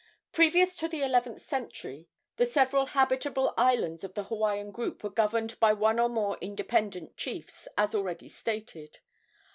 Previous to the eleventh century the several habitable islands of the Hawaiian group were governed by one or more independent chiefs, as already stated.